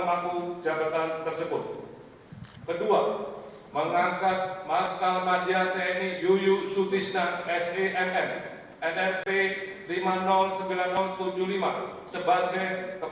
lalu kebangsaan indonesia baik